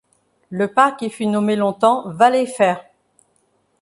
Le parc qui fut nommé longtemps Valleyfair!